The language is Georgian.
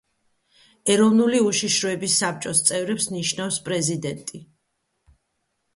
ეროვნული უშიშროების საბჭოს წევრებს ნიშნავს პრეზიდენტი.